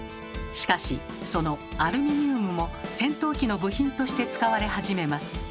しかしそのアルミニウムも戦闘機の部品として使われ始めます。